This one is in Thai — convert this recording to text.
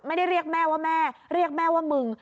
เรียกแม่ว่าแม่เรียกแม่ว่ามึง